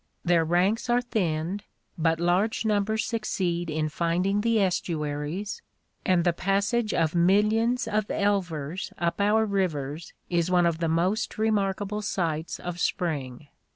Their ranks are thinned, but large numbers succeed in finding the estuaries, and the passage of millions of elvers up our rivers is one of the most remarkable sights of Spring.